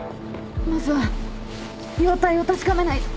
まずは容体を確かめないと。